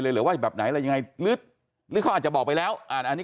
หรือว่าแบบไหนอะไรยังไงหรือเขาอาจจะบอกไปแล้วอ่านอันนี้